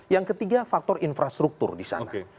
yang ketiga faktor infrastruktur di sana